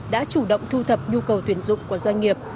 đã chủ động thu thập nhu cầu tuyển dụng của doanh nghiệp